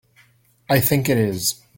I think it is.